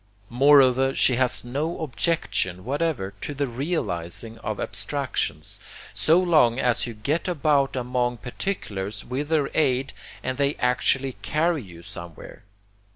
Moreover, she has no objection whatever to the realizing of abstractions, so long as you get about among particulars with their aid and they actually carry you somewhere.